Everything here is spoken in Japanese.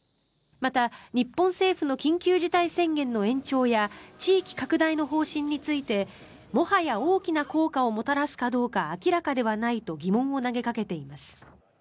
また、日本政府の緊急事態宣言の延長や地域拡大の方針についてもはや大きな効果をもたらすかどうか明らかではないと疑問を投げかけています。